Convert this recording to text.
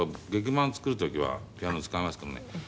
伴を作る時はピアノ使わないですけどね。